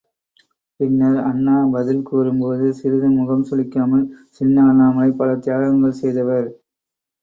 பின்னர் அண்ணா பதில் கூறும்போது சிறிதும் முகம் சுளிக்காமல், சின்ன அண்ணாமலை பல தியாகங்கள் செய்தவர்.